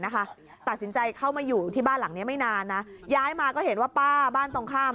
ตัดสินใจเข้ามาอยู่ที่บ้านหลังนี้ไม่นานนะย้ายมาก็เห็นว่าป้าบ้านตรงข้าม